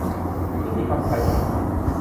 นี่มีคำไทยมะ ?